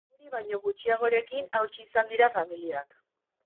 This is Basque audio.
Hori baino gutxiagorekin hautsi izan dira familiak.